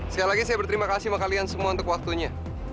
sekali lagi saya berterima kasih sama kalian semua untuk waktunya